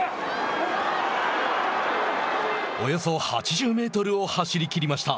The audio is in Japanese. およそ８０メートルを走りきりました。